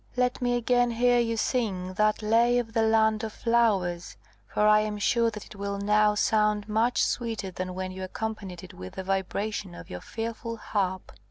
Let me again hear you sing that lay of the land of flowers; for I am sure that it will now sound much sweeter than when you accompanied it with the vibrations of your fearful harp."